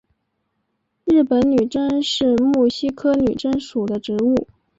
日本女贞是木犀科女贞属的植物。